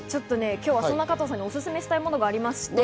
そんな加藤さんにおすすめしたいものがあります。